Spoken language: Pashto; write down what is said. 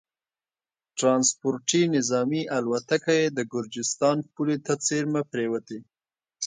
ټرانسپورټي نظامي الوتکه یې د ګرجستان پولې ته څېرمه پرېوتې